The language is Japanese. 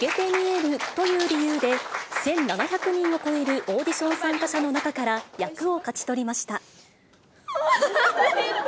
声から感情が透けて見えるという理由で、１７００人を超えるオーディション参加者の中から役を勝ち取りました。